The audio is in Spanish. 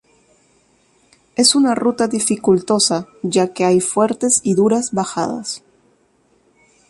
Es una ruta dificultosa ya que hay fuertes y duras bajadas.